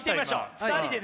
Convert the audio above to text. ２人でね